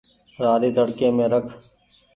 رآلي تڙڪي مين رک۔